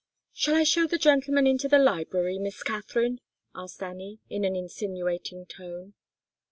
"Shall I show the gentleman into the library, Miss Katharine?" asked Annie, in an insinuating tone.